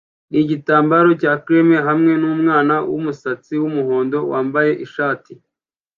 nigitambaro cya creme hamwe numwana wumusatsi wumuhondo wambaye ishati